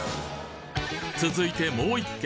続いてもう１軒。